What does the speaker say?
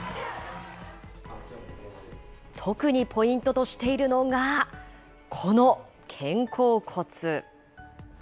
特にポイントとしているのが、この肩甲骨。